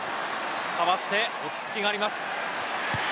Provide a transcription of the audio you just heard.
かわして落ち着きがあります。